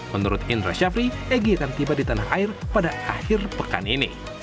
menurut indra syafri egy akan tiba di tanah air pada akhir pekan ini